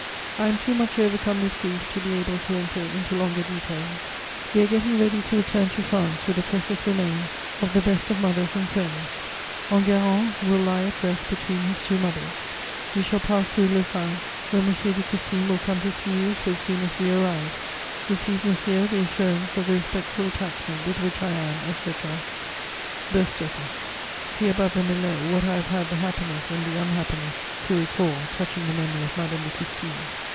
"I am too much overcome with grief to be able to enter into longer details. We are getting ready to return to France with the precious remains of the best of mothers and friends. Enguerrand will lie at rest between his two mothers. "We shall pass through Lausanne, where M. de Custine will come to see you so soon as we arrive. "Receive, monsieur, the assurance of the respectful attachment with which I am, etc., "BERSTŒCHER." See above and below what I have had the happiness and the unhappiness to recall touching the memory of Madame de Custine.